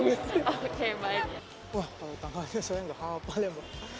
wah kalau tanggalnya soalnya gak apa apa ya mbak